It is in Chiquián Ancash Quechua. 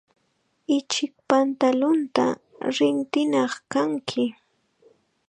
Ichik pantalunta rintinaq kanki.